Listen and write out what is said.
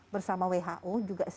bersama who juga